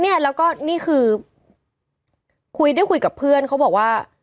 เนี่ยแล้วก็นี่คือคุยได้คุยกับเพื่อนเขาบอกว่า